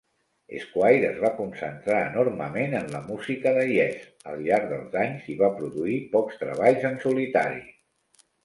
Squire es va concentrar enormement en la música de Yes' al llarg dels anys i va produir pocs treballs en solitari.